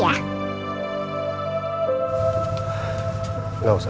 yang ini juga ya